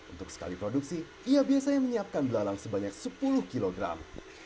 untuk sekali produksi ia biasanya menyiapkan belalang sebanyak sepuluh kilogram